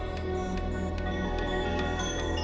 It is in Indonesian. terima kasih pak ustadz